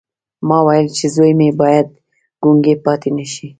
ما ویل چې زوی مې باید ګونګی پاتې نه شي